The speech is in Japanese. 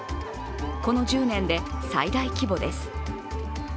この１０年で最大規模です。